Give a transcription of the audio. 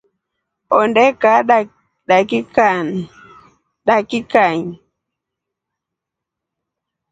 Ondee kaa dakikai.